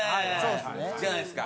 じゃないですか。